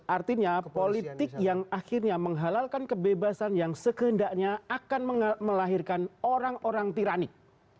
artinya politik yang akhirnya menghalalkan kebebasan yang sekendaknya akan melahirkan orang orang tiranik